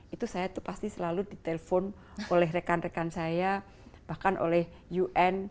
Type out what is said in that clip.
itu saya itu pasti selalu ditelepon oleh rekan rekan saya bahkan oleh un